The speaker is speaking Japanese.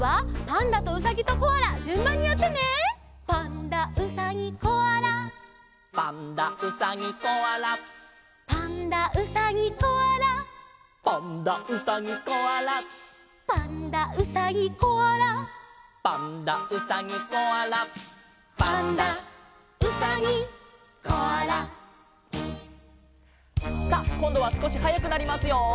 「パンダうさぎコアラ」「パンダうさぎコアラ」「パンダうさぎコアラ」「パンダうさぎコアラ」「パンダうさぎコアラ」「パンダうさぎコアラ」「パンダうさぎコアラ」さあこんどはすこしはやくなりますよ。